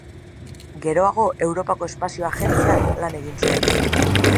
Geroago Europako Espazio Agentzian lan egin zuen.